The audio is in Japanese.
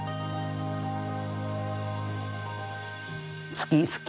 好き好き。